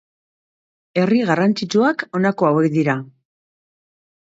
Herri garrantzitsuak, honako hauek dira.